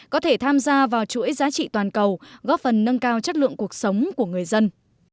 có thể tham gia vào chuỗi giá trị toàn cầu góp phần nâng cao chất lượng cuộc sống của người dân